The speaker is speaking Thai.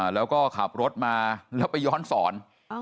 แล้วก็ขับรถมาแล้วไปย้อนสอน